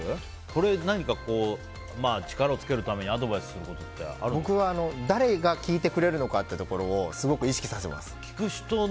何か、力をつけるためにアドバイスすることって僕は、誰が聞いてくれるのかっていうのをすごく意識させます。